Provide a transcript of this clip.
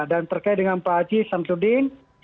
dan terkait dengan pak aziz